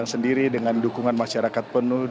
sendiri dengan dukungan masyarakat penuh